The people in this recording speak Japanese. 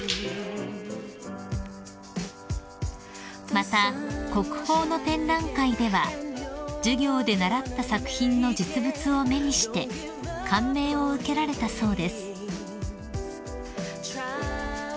［また国宝の展覧会では授業で習った作品の実物を目にして感銘を受けられたそうです］